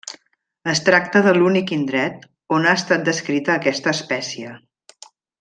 Es tracta de l'únic indret on ha estat descrita aquesta espècie.